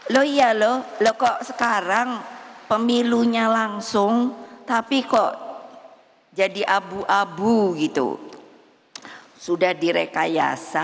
loh iya loh lo kok sekarang pemilunya langsung tapi kok jadi abu abu gitu sudah direkayasa